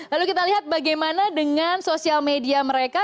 lalu kita lihat bagaimana dengan sosial media mereka